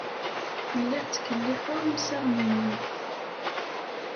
Lliɣ ttkellixeɣ imsaɣen-inu.